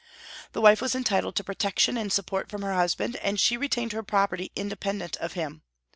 The wife was entitled to protection and support from her husband, and she retained her property independent of him.